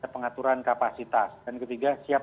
pengaturan kapasitas dan ketiga siap